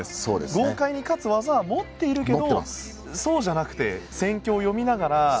豪快に勝つ技は持っているけどそうじゃなくて戦況を読みながら。